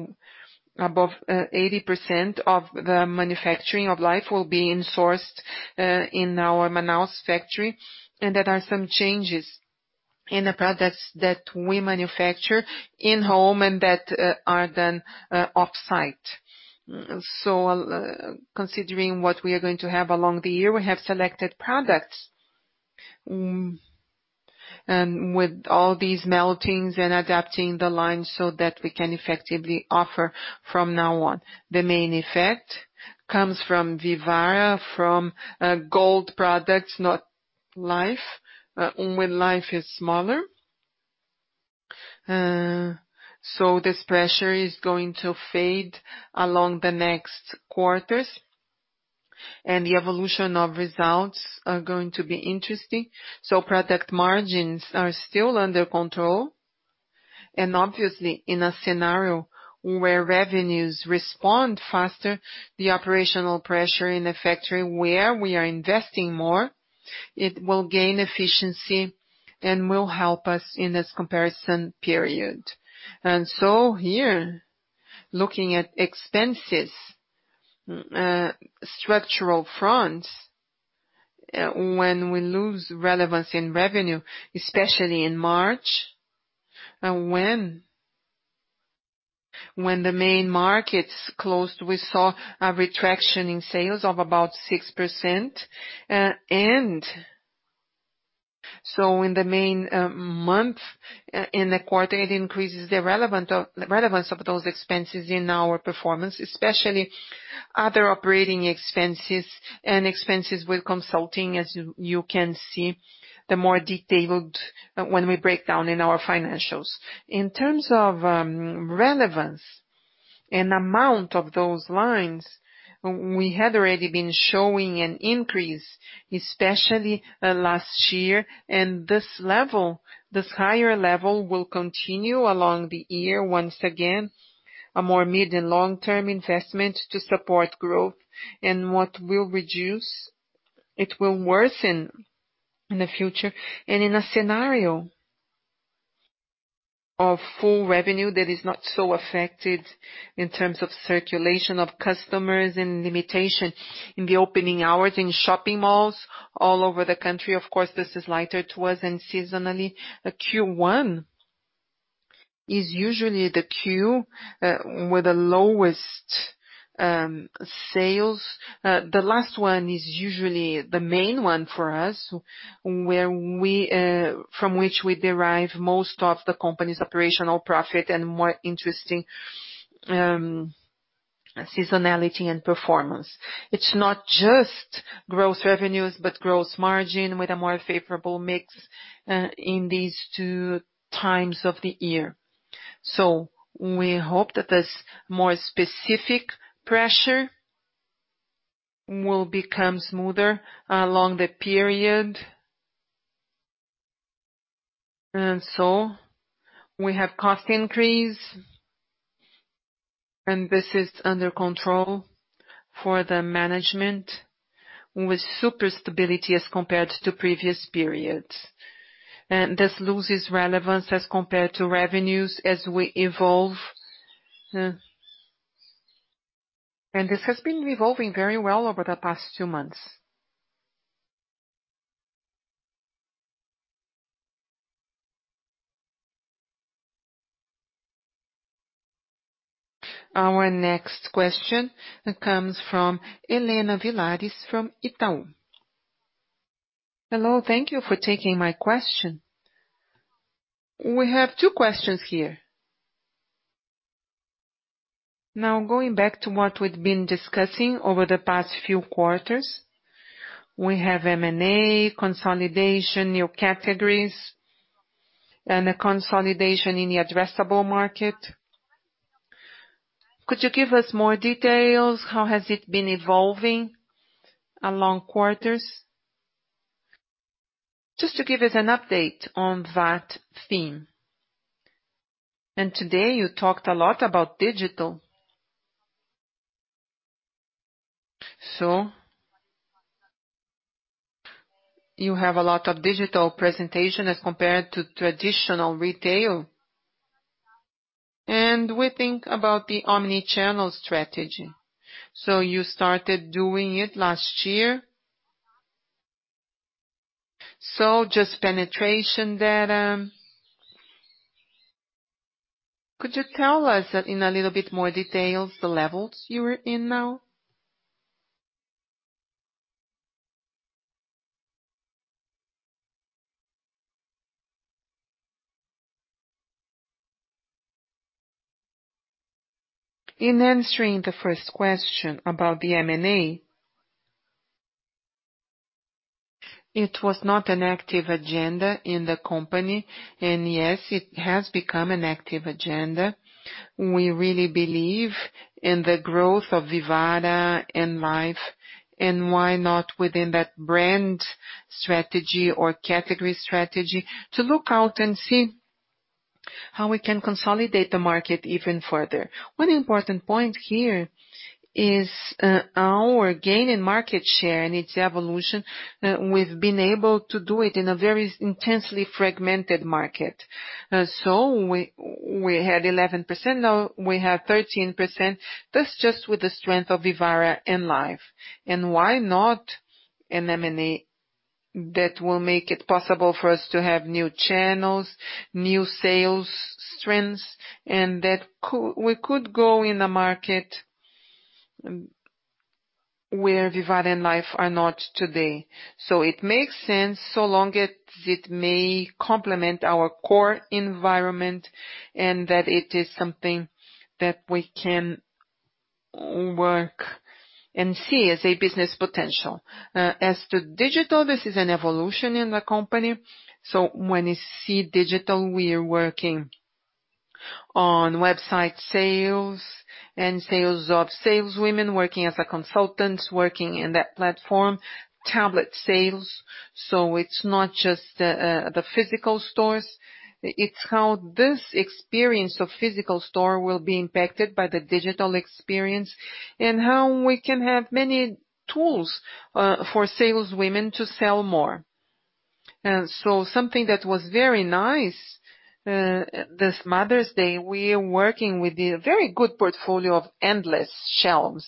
above 80% of the manufacturing of Life will be in-sourced in our Manaus factory. There are some changes in the products that we manufacture in-home and that are done off-site. Considering what we are going to have along the year, we have selected products. With all these meltings and adapting the line so that we can effectively offer from now on. The main effect comes from Vivara, from gold products, not Life. When Life is smaller. This pressure is going to fade along the next quarters and the evolution of results are going to be interesting. Product margins are still under control and obviously in a scenario where revenues respond faster, the operational pressure in the factory where we are investing more, it will gain efficiency and will help us in this comparison period. Here, looking at expenses structural fronts, when we lose relevance in revenue, especially in March, when the main markets closed, we saw a retraction in sales of about 6%. In the main month in the quarter, it increases the relevance of those expenses in our performance, especially other operating expenses and expenses with consulting, as you can see the more detailed when we break down in our financials. In terms of relevance and amount of those lines, we had already been showing an increase, especially last year. This higher level will continue along the year. Once again, a more mid and long-term investment to support growth and what will reduce, it will worsen in the future. In a scenario of full revenue that is not so affected in terms of circulation of customers and limitation in the opening hours in shopping malls all over the country. Of course, this is lighter to us and seasonally Q1 is usually the quarter with the lowest sales. The last one is usually the main one for us, from which we derive most of the company's operational profit and more interesting seasonality and performance. It's not just growth revenues, but growth margin with a more favorable mix in these two times of the year. We hope that this more specific pressure will become smoother along the period. We have cost increase, and this is under control for the management with super stability as compared to previous periods. This loses relevance as compared to revenues as we evolve. This has been evolving very well over the past two months. Our next question comes from Helena Vilares from Itaú. Hello. Thank you for taking my question. We have two questions here. Going back to what we've been discussing over the past few quarters, we have M&A consolidation, new categories, and a consolidation in the addressable market. Could you give us more details? How has it been evolving along quarters? Just to give us an update on that theme. Today you talked a lot about digital. You have a lot of digital presentation as compared to traditional retail. We think about the omni-channel strategy. You started doing it last year. Just penetration data. Could you tell us in a little bit more details the levels you are in now? In answering the first question about the M&A, it was not an active agenda in the company. Yes, it has become an active agenda. We really believe in the growth of Vivara and Life and why not within that brand strategy or category strategy to look out and see how we can consolidate the market even further. One important point here is our gain in market share and its evolution. We've been able to do it in a very intensely fragmented market. We had 11%, now we have 13%. That's just with the strength of Vivara and Life. Why not an M&A. That will make it possible for us to have new channels, new sales strengths, and that we could go in a market where Vivara and Life are not today. It makes sense so long as it may complement our core environment and that it is something that we can work and see as a business potential. As to digital, this is an evolution in the company. When you see digital, we are working on website sales and sales of saleswomen working as a consultant, working in that platform, tablet sales. It's not just the physical stores. It's how this experience of physical store will be impacted by the digital experience and how we can have many tools for saleswomen to sell more. Something that was very nice, this Mother's Day, we are working with a very good portfolio of endless aisle.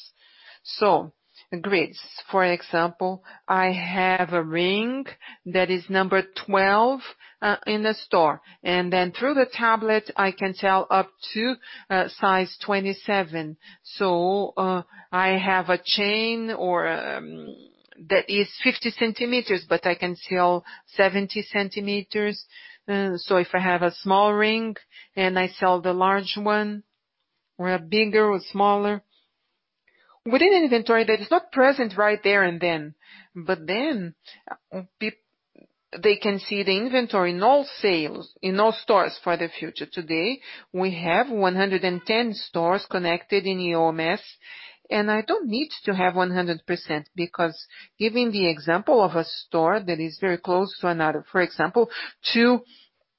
Grids, for example, I have a ring that is number 12 in a store, and then through the tablet, I can sell up to size 27. I have a chain that is 50 centimeters, but I can sell 70 centimeters. If I have a small ring and I sell the large one, or bigger or smaller, with an inventory that is not present right there and then. They can see the inventory in all stores for the future. Today, we have 110 stores connected in EOMS, and I don't need to have 100%, because giving the example of a store that is very close to another. For example, two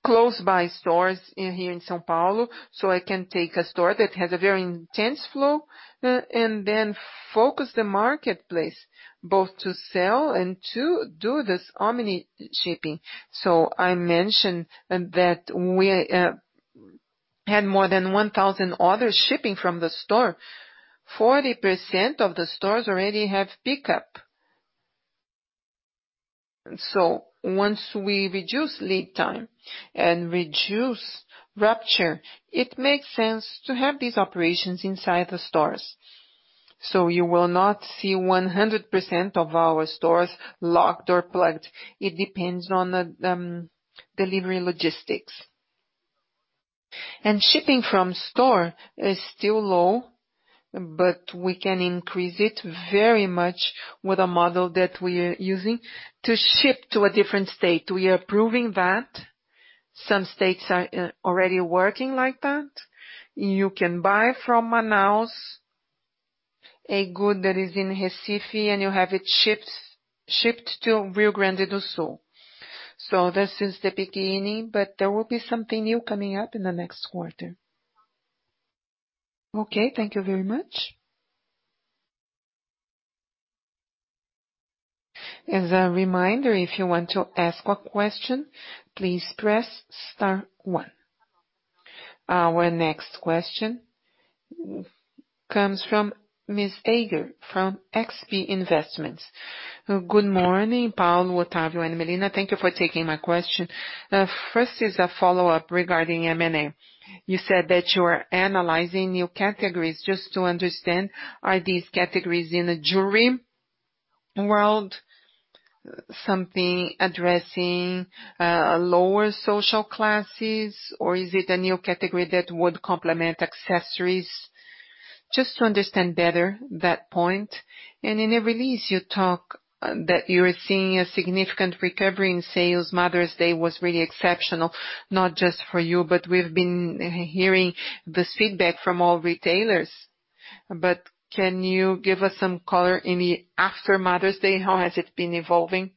close by stores here in São Paulo. I can take a store that has a very intense flow and then focus the marketplace, both to sell and to do this omni-shipping. I mentioned that we had more than 1,000 orders shipping from the store. 40% of the stores already have pickup. Once we reduce lead time and reduce rupture, it makes sense to have these operations inside the stores. You will not see 100% of our stores locked or plugged. It depends on the delivery logistics. Shipping from store is still low, but we can increase it very much with a model that we are using to ship to a different state. We are proving that. Some states are already working like that. You can buy from Manaus a good that is in Recife and you have it shipped to Rio Grande do Sul. This is the beginning, but there will be something new coming up in the next quarter. Okay, thank you very much. As a reminder, if you want to ask a question, please press star one. Our next question comes from Ms. Aguiar from XP Investimentos. Good morning, Paulo, Otávio and Melina. Thank you for taking my question. First is a follow-up regarding M&A. You said that you are analyzing new categories. Just to understand, are these categories in a jewelry world something addressing lower social classes, or is it a new category that would complement accessories? Just to understand better that point. In the release, you talk that you're seeing a significant recovery in sales. Mother's Day was really exceptional, not just for you, but we've been hearing the feedback from all retailers. Can you give us some color in the after Mother's Day? How has it been evolving?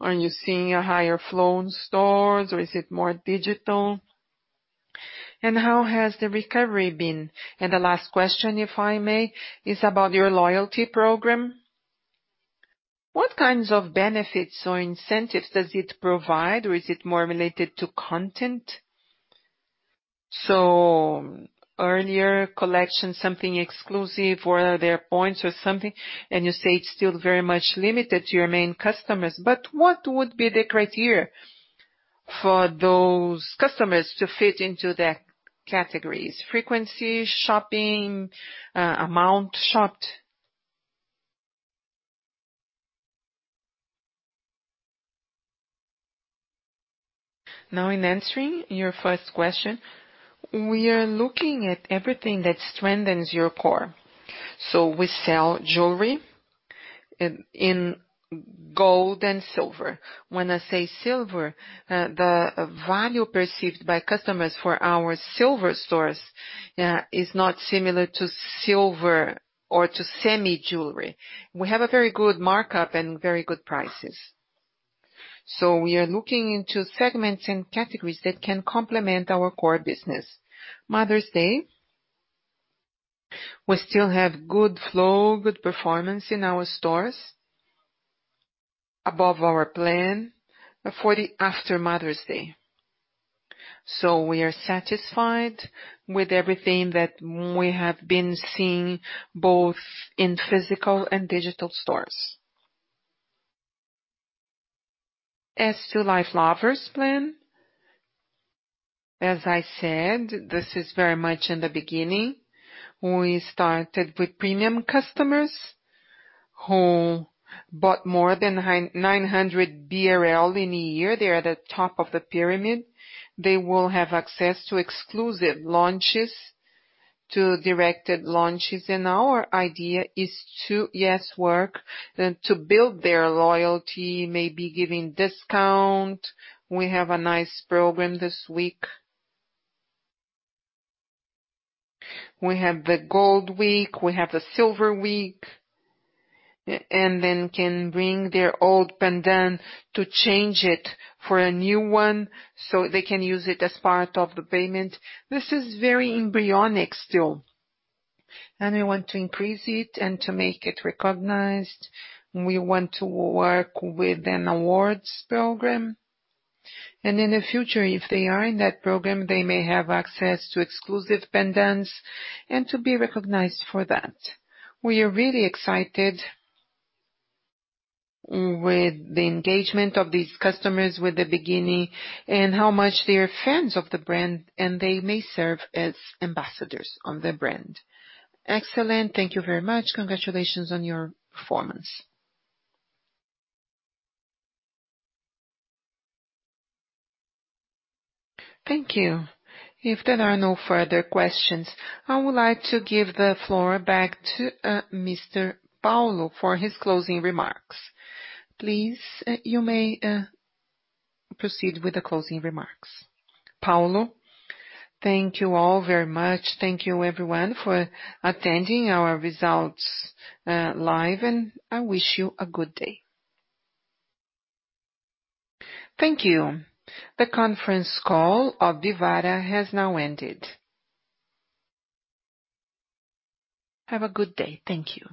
Are you seeing a higher flow in stores or is it more digital? How has the recovery been? The last question, if I may, is about your loyalty program. Earlier collection, something exclusive or are there points or something, and you say it's still very much limited to your main customers. What would be the criteria for those customers to fit into the categories? Frequency, shopping amount, shop? Now in answering your first question, we are looking at everything that strengthens your core. We sell jewelry in gold and silver. When I say silver, the value perceived by customers for our silver stores is not similar to silver or to semi-jewelry. We have a very good markup and very good prices. We are looking into segments and categories that can complement our core business. Mother's Day, we still have good flow, good performance in our stores, above our plan for the after Mother's Day. We are satisfied with everything that we have been seeing both in physical and digital stores. As to Life Lovers plan, as I said, this is very much in the beginning. We started with premium customers who bought more than 900 BRL in a year. They're at the top of the pyramid. They will have access to exclusive launches, to directed launches. Our idea is to, yes, work to build their loyalty, maybe giving discount. We have a nice program this week. We have the Gold Week, we have a Silver Week, and then can bring their old pendant to change it for a new one, so they can use it as part of the payment. This is very embryonic still, and we want to increase it and to make it recognized. We want to work with an awards program. In the future, if they are in that program, they may have access to exclusive pendants and to be recognized for that. We are really excited with the engagement of these customers with the beginning and how much they are fans of the brand, and they may serve as ambassadors of the brand. Excellent. Thank you very much. Congratulations on your performance. Thank you. If there are no further questions, I would like to give the floor back to Mr. Paulo for his closing remarks. Please, you may proceed with the closing remarks. Paulo? Thank you all very much. Thank you everyone for attending our results live, and I wish you a good day. Thank you. The conference call of Vivara has now ended. Have a good day. Thank you